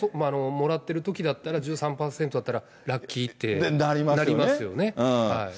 もらってるときだったら、１３％だったらラッキーってなりますよね。